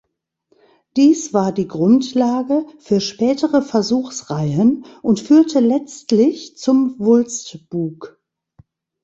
Dies war die Grundlage für spätere Versuchsreihen und führte letztlich zum Wulstbug.